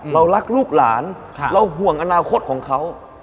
เรารักลูกหลานเราห่วงอนาคตของเขา